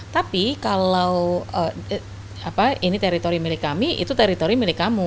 tapi kalau ini teritori milik kami itu teritori milik kamu